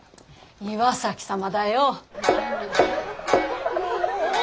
岩崎様だよ。